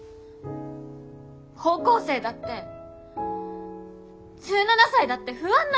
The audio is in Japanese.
高校生だって１７才だって不安なんだよ。